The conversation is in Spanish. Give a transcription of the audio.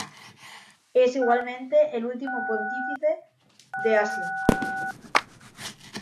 Es igualmente el último pontífice de Asia.